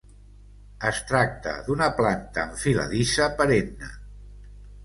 Es tracta d'una planta enfiladissa perenne.